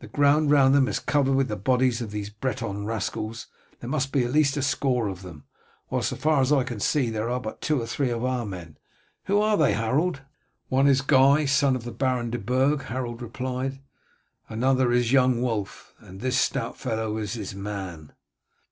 The ground round them is covered with the bodies of these Breton rascals. There must be at least a score of them, while so far as I can see there are but three of our men. Who are they, Harold?" "One is Guy, son of the Baron de Burg," Harold replied. "Another is young Wulf, and this stout fellow is his man."